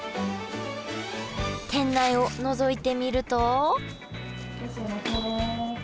店内をのぞいてみるといらっしゃいませ。